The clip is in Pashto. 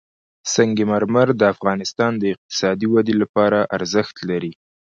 سنگ مرمر د افغانستان د اقتصادي ودې لپاره ارزښت لري.